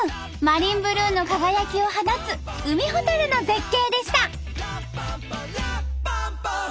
マリンブルーの輝きを放つウミホタルの絶景でした！